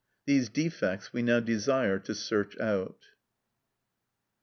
These defects we now desire to search out.